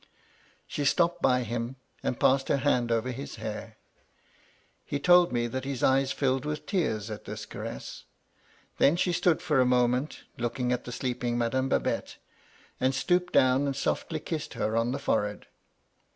She stopped hy him, and passed her hand over his hair. He told me that his eyes filled with tears at this caress. Then she stood for a moment, looking at the sleeping Madame Babette, and stooped down and softly kissed her on the forhead.